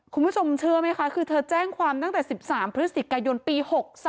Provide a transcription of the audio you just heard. คุณผู้ชมเชื่อไหมคะคือเธอแจ้งความตั้งแต่๑๓พฤศจิกายนปี๖๒